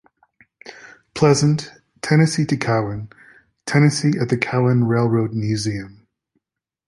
Pleasant, Tennessee to Cowan, Tennessee at the Cowan Railroad Museum.